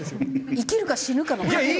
生きるか死ぬかの。